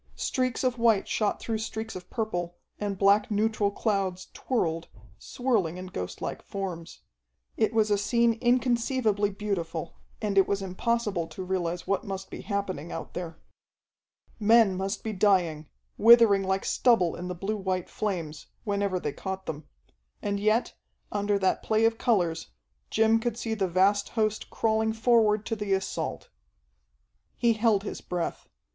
Streaks of white shot through streaks of purple and black neutral clouds twirled, swirling in ghostlike forms. It was a scene inconceivably beautiful, and it was impossible to realize what must be happening out there. Men must be dying, withering like stubble in the blue white flames, whenever they caught them. And yet, under that play of colors, Jim could see the vast host crawling forward to the assault. He held his breath.